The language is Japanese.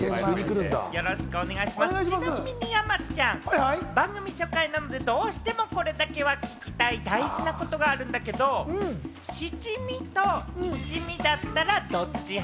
ちなみに山ちゃん、番組初回、どうしてもこれだけは聞きたい、大事なことがあるんだけど、七味と一味だったらどっち派？